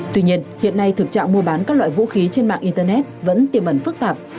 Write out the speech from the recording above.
tuy nhiên hiện nay thực trạng mua bán các loại vũ khí trên mạng internet vẫn tiềm ẩn phức tạp